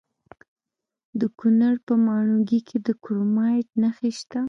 د کونړ په ماڼوګي کې د کرومایټ نښې شته.